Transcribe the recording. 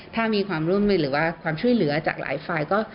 ถ้ามีเรื่องภาพหรือความช่วยเหลือจากหลายฝ่าย